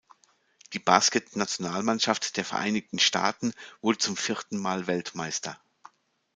Die Basketballnationalmannschaft der Vereinigten Staaten wurde zum vierten Mal Weltmeister.